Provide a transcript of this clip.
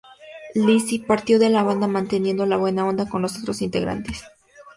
Lizzy partió de la banda manteniendo la "buena onda" con los otros integrantes.